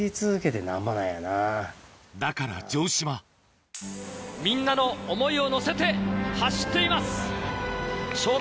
だから城島みんなの思いを乗せて走っています！